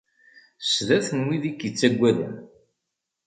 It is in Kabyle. Sdat n wid i k-ittaggaden.